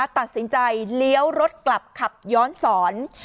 ตัดสินใจเลี้ยวรถกลับขับย้อนสอน